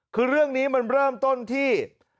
คือเรื่องนี้มันเริ่มต้นที่